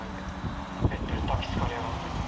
あんなべったり抱きつかれやがって。